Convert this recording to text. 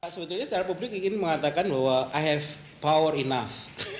sebetulnya secara publik ingin mengatakan bahwa i have power enough